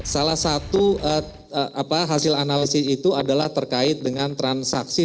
salah satu hasil analisis itu adalah terkait dengan transaksi